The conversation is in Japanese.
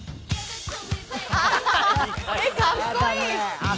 えっ、かっこいい！